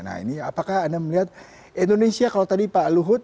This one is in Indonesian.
nah ini apakah anda melihat indonesia kalau tadi pak luhut